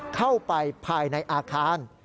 เข้าไปภายในอาคาร